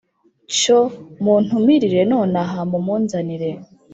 Cyo muntumirire nonaha mumunzanire